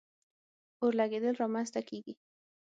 اور لګېدل را منځ ته کیږي.